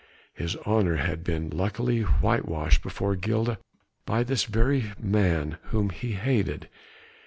His honour had been luckily white washed before Gilda by this very man whom he hated.